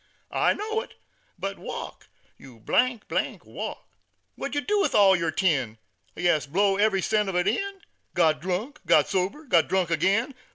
I know it, but walk, you , walk! "What did yer do with all yer tin? Ya s, blew every cent of it in; Got drunk, got sober, got drunk agin.